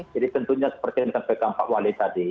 jadi tentunya seperti yang disampaikan pak wali tadi